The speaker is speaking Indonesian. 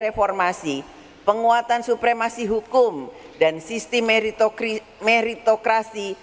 reformasi penguatan supremasi hukum dan sistem meritokrasi